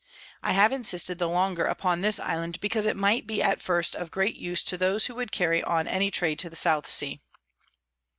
I have insisted the longer upon this Island, because it might be at first of great use to those who would carry on any Trade to the _South Sea.